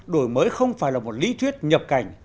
đổi mới không phải là một lý thuyết nhập cảnh